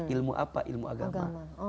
ilmu apa ilmu agama